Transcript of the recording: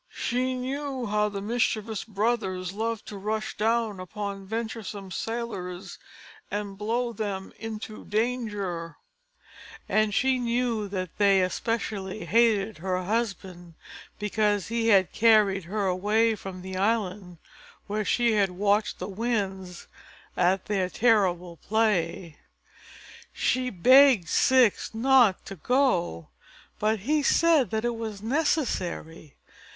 She knew how the mischievous brothers loved to rush down upon venturesome sailors and blow them into danger, and she knew that they especially hated her husband because he had carried her away from the island where she had watched the Winds at their terrible play. She begged Ceyx not to go, but he said that it was necessary.